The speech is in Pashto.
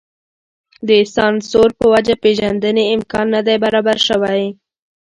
د سانسور په وجه پېژندنې امکان نه دی برابر شوی.